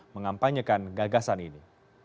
mengampanyakan gagasan ini